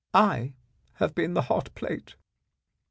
I have been the hot plate."